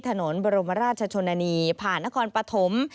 ถนนบรมราชชนนานีผ่านนครปฐม